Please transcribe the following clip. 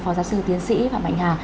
phó giáo sư tiến sĩ phạm mạnh hà